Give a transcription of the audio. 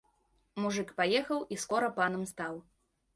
Мужык паехаў і скора панам стаў.